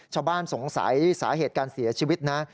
ชาวบ้านสงสัยสาเหตุการเสียชีวิตนะ